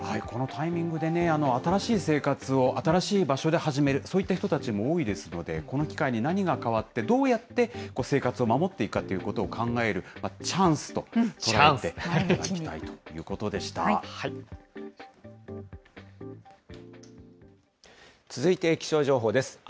このタイミングでね、新しい生活を、新しい場所で始める、そういった人たちも多いですので、この機会に何が変わって、どうやって生活を守っていくかということを考えるチャンスと捉え続いて気象情報です。